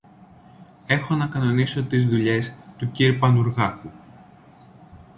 Έχω να κανονίσω τις δουλειές του κυρ-Πανουργάκου.